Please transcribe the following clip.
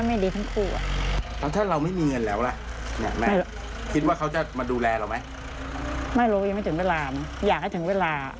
ไม่รู้ยังไม่ถึงเวลามั้ยอยากให้ถึงเวลา